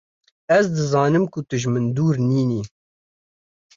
Ez dizanim ku tu ji min dûr nîn î